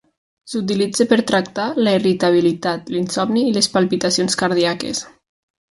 S'utilitza per tractar la irritabilitat, l'insomni i les palpitacions cardíaques.